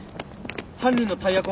犯人のタイヤ痕